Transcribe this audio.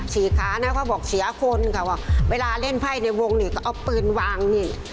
ขานะเขาบอกเสียคนค่ะว่าเวลาเล่นไพ่ในวงนี่ก็เอาปืนวางนี่